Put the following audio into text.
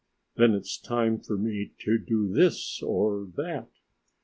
Then it's time for me to do this or that.